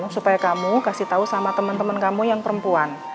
supaya kamu kasih tau sama temen temen kamu yang perempuan